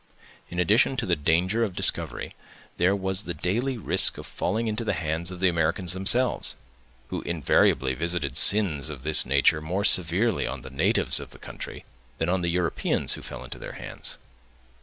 In addition to the danger of discovery, there was the daily risk of falling into the hands of the Americans themselves, who invariably visited sins of this nature more severely on the natives of the country than on the Europeans who fell into their hands.